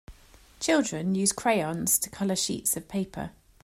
Children use crayons to color sheets of paper.